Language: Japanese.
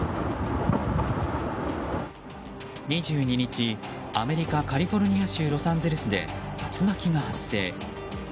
２２日、アメリカカリフォルニア州ロサンゼルスで竜巻が発生。